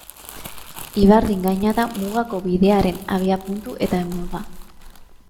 Ibardin gaina da Mugako Bidearen abiapuntu eta helmuga.